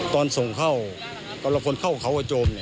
ตอนส่งเข้ากำลังพลเข้าเขาวจม